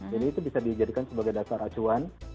jadi itu bisa dijadikan sebagai dasar acuan